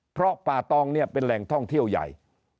เพราะป่าตองเนี่ยเป็นแหล่งท่องเที่ยวใหญ่